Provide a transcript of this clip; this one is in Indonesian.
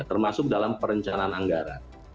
termasuk dalam perencanaan anggaran